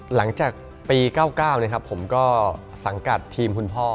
หลังจากปี๙๙ผมก็สังกัดทีมคุณพ่อ